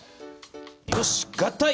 よし合体。